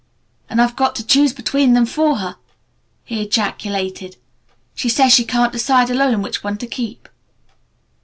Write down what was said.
And I've got to choose between them for her!" he ejaculated. "She says she can't decide alone which one to keep!"